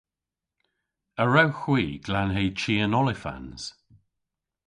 A wrewgh hwi glanhe chi an olifans?